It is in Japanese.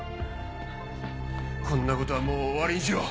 こんなことはもう終わりにしよう。